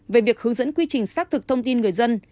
về việc hướng dẫn quy trình xác thực thông tin người dân